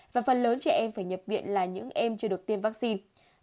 và phần lớn trẻ em phải nhập viện là những em chưa được tiêm vaccine